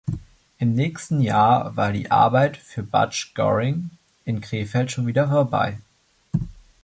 Im nächsten Jahr war die Arbeit für Butch Goring in Krefeld schon wieder vorbei.